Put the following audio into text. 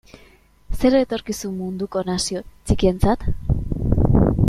Zer etorkizun munduko nazio txikientzat?